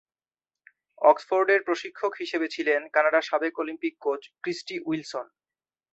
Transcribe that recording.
অক্সফোর্ডের প্রশিক্ষক হিসাবে ছিলেন কানাডার সাবেক অলিম্পিক কোচ ক্রিস্টি উইলসন।